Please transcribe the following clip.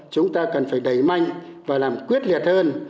chúng ta cần phải đẩy mạnh và làm quyết liệt hơn